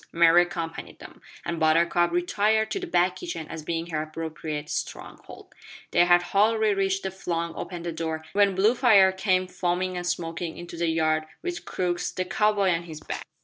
Mary accompanied them, and Buttercup retired to the back kitchen as being her appropriate stronghold. They had hardly reached and flung open the door when Bluefire came foaming and smoking into the yard with Crux the cow boy on his back.